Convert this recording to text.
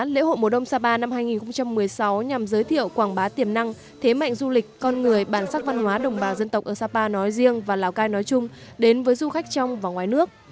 lễ hội mùa đông sapa năm hai nghìn một mươi sáu nhằm giới thiệu quảng bá tiềm năng thế mạnh du lịch con người bản sắc văn hóa đồng bào dân tộc ở sapa nói riêng và lào cai nói chung đến với du khách trong và ngoài nước